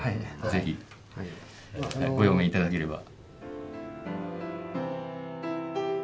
是非ご用命頂ければ。